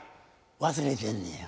忘れてんねや。